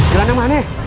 jalan yang mana